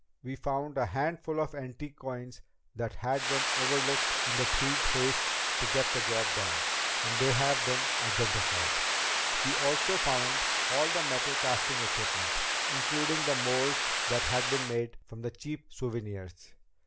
We found a handful of the antique coins that had been overlooked in the thieves' haste to get the job done, and they've been identified. We also found all the metal casting equipment, including the molds that had been made from the cheap souvenirs.